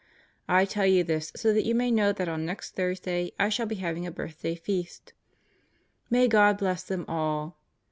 I tell you this so that you may know that on next Thursday I shall be having a birthday feast. May God bless *them all!